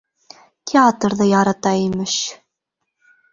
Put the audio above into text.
Театрҙы ярата, имеш!